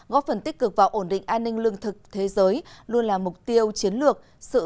góp phần tích cực vào ổn định an ninh lương thực thế giới luôn là mục tiêu chiến lược